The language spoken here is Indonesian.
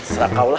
sera kau lah